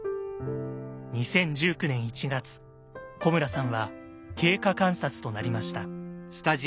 ２０１９年１月古村さんは経過観察となりました。